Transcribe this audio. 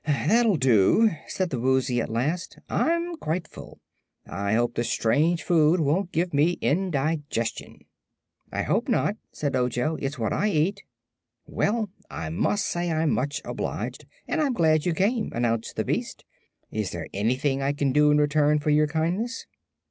"That'll do," said the Woozy, at last; "I'm quite full. I hope the strange food won't give me indigestion." "I hope not," said Ojo. "It's what I eat." "Well, I must say I'm much obliged, and I'm glad you came," announced the beast. "Is there anything I can do in return for your kindness?"